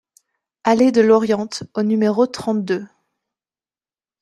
Allée de l'Oriente au numéro trente-deux